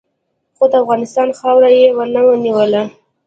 خو د افغانستان خاوره یې و نه نیوله.